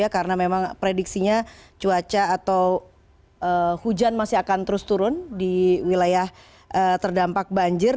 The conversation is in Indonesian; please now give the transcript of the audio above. karena memang prediksinya cuaca atau hujan masih akan terus turun di wilayah terdampak banjir